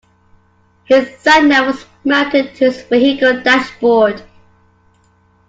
His sat nav was mounted to his vehicle dashboard